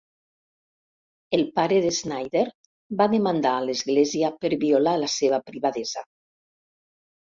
El pare de Snyder va demandar a l'església per violar la seva privadesa.